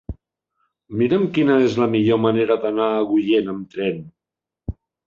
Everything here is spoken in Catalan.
Mira'm quina és la millor manera d'anar a Agullent amb tren.